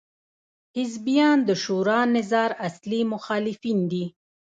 حزبیان د شورا نظار اصلي مخالفین دي.